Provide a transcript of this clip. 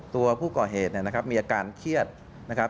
ตัวผู้ก่อเหตุเนี่ยนะครับมีอาการเครียดนะครับ